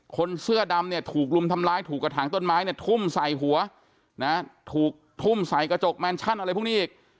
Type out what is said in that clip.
คนเสื้อดำเนี่ยถูกรุมทำร้ายถูกกระถางต้นไม้เนี่ยทุ่มใส่หัวนะถูกทุ่มใส่กระจกแมนชั่นอะไรพวกนี้อีก